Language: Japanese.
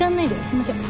すいません。